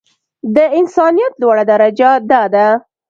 د انسانيت لوړه درجه دا ده.